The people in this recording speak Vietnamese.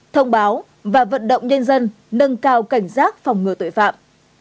thông báo và vận động nhân dân nâng cao cảnh giác phòng ngừa tội phạm